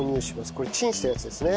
これチンしたやつですね。